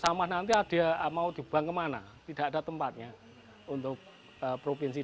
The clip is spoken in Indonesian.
sama nanti dia mau dibuang kemana tidak ada tempatnya untuk provinsi